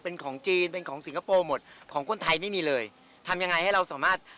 เป็นของจีนเป็นของสิงคโปร์หมดของคนไทยไม่มีเลยทำยังไงให้เราสามารถ